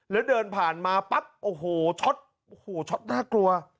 แล้วเดินผ่านมาปั๊บโอ้โหช็อตโอ้โหช็อตน่ากลัว